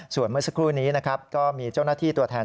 ส่วนเมื่อสักครู่นี้นะครับก็มีเจ้าหน้าที่ตัวแทน